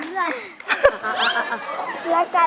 เตยชื่น